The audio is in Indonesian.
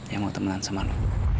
yang mau temenan sama lo